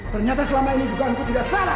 ternyata selama ini juga aku tidak salah